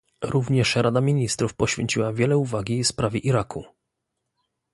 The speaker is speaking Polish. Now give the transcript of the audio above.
Również Rada Ministrów poświęciła wiele uwagi sprawie Iraku